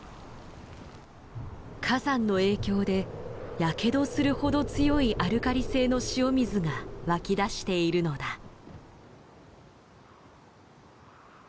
火山の影響でやけどするほど強いアルカリ性の塩水が湧き出しているのだ。